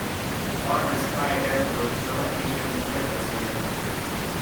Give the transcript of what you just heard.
Farmers Pride Airport is a landing strip in Fredericksburg.